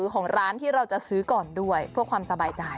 ของร้านที่เราจะซื้อก่อนด้วยเพื่อความสบายใจ